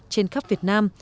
trên khắp việt nam